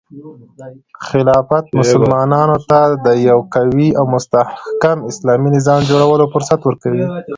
خلافت مسلمانانو ته د یو قوي او مستحکم اسلامي نظام جوړولو فرصت ورکوي.